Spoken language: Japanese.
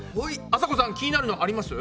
あさこさん気になるのあります？